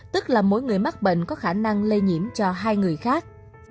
tức là mỗi người mắc bệnh có khả năng lây nhiễm cho hai người khác